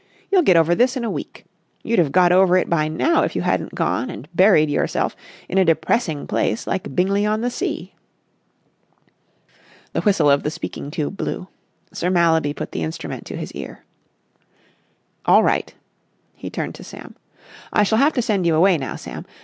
You'll get over this in a week. You'd have got over it by now if you hadn't gone and buried yourself in a depressing place like Bingley on the Sea." The whistle of the speaking tube blew. Sir Mallaby put the instrument to his ear. "All right," he turned to Sam. "I shall have to send you away now, Sam.